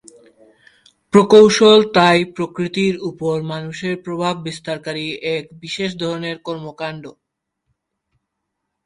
প্রকৌশল তাই প্রকৃতির উপর মানুষের প্রভাব বিস্তারকারী এক বিশেষ ধরনের কর্মকাণ্ড।